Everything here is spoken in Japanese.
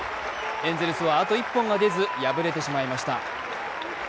エンゼルスはあと１本が出ず敗れてしまいました。